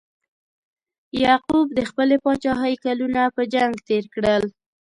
یعقوب د خپلې پاچاهۍ کلونه په جنګ تیر کړل.